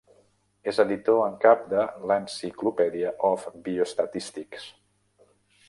És editor en cap de l'Encyclopedia of Biostatistics.